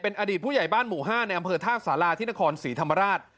อดีตผู้ใหญ่บ้านหมู่๕ในอำเภอท่าสาราที่นครศรีธรรมราช